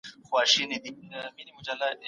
د هري پريشانۍ پر وخت ډاډ ورکونکې ده